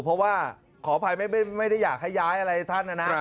เพราะว่าขออภัยไม่ได้อยากให้ย้ายอะไรท่านนะนะ